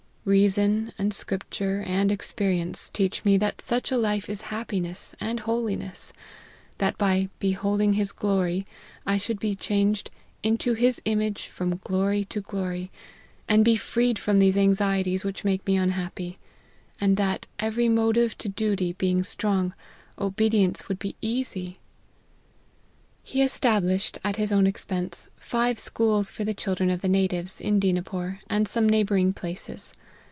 Reason, and scripture, and experience, teach me that such a life is happiness and holiness ; that by 4 beholding his glory,' I should be changed ' into his image, from glory to glory,' and be freed from those anxieties which make me unhappy : and that, every motive to duty being strong, obedience would be easy." He established, at his own expense, five schools LIFE OF HENRY MARTYX. 91 for the children of the natives, in Dinapore, and some neighbouring places.